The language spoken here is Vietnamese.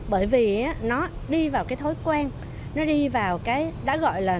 bởi vì nó đi vào cái thói quen nó đi vào cái đã gọi là